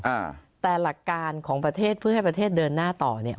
อ่าแต่หลักการของประเทศเพื่อให้ประเทศเดินหน้าต่อเนี้ย